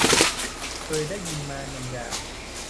เคยได้ยินมาหนึ่งอย่าง